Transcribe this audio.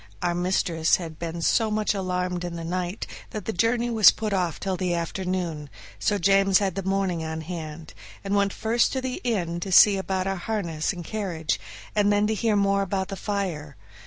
Our mistress had been so much alarmed in the night that the journey was put off till the afternoon, so James had the morning on hand, and went first to the inn to see about our harness and the carriage, and then to hear more about the fire.